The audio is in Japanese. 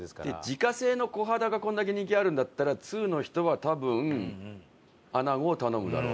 自家製の小肌がこれだけ人気あるんだったら通の人は多分穴子を頼むだろうと。